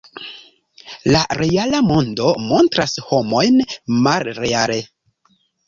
La reala mondo montras homojn malreale.